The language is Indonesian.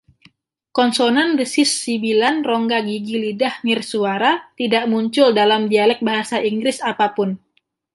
Konsonan desis sibilan rongga gigi-lidah nirsuara tidak muncul dalam dialek bahasa Inggris apa pun.